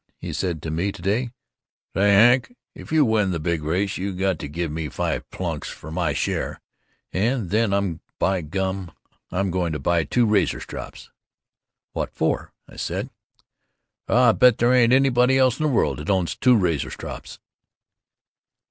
He said to me to day, "Say, Hawk, if you win the big race you got to give me five plunks for my share and then by gum I'm going to buy two razor strops." "What for?" I said. "Oh I bet there ain't anybody else in the world that owns two razor strops!"